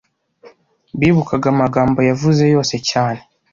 bibukaga amagambo yavuze yose cyane,